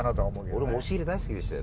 俺も押し入れ大好きでしたよ。